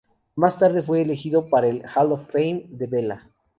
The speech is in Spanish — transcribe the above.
Más tarde fue elegido para el "Hall Fame" de vela.